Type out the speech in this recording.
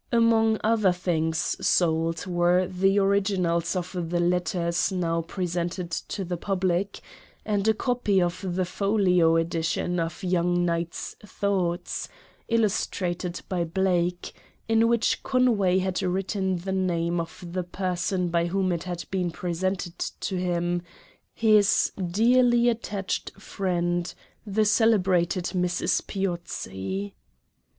Among other things sold were the originals of the letters now presented to the public, and a copy of the folio edition of Young's Night Thoughts, illustrated by Blake ; in which Conway had written the name of the person by whom it had been presented to him, — his " dearly attached friend, the celebrated Mrs. Piozzi."